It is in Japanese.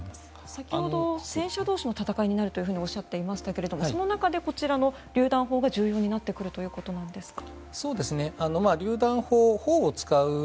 先ほど戦車同士の戦いになるとおっしゃっていましたがその中でこちらのりゅう弾砲が重要になってくるということなんですか？